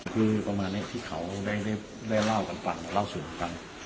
คือประมาณนี้ที่เขาได้ได้ได้เล่ากันฝั่งแล้วเล่าส่วนกัน